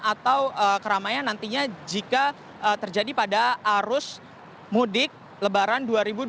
atau keramaian nantinya jika terjadi pada arus mudik lebaran dua ribu dua puluh